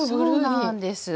そうなんです。